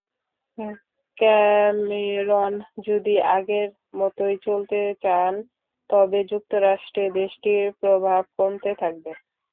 Cameron যদি আগের মতোই চলতে চান, তবে যুক্তরাষ্ট্রে দেশটির প্রভাব কমতে থাকবে।